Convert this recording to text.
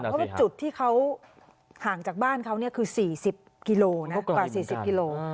เพราะว่าจุดที่เขาห่างจากบ้านเค้าเนี่ยคือ๔๐กิโลกรัม